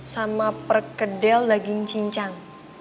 sama perkedel daging cincang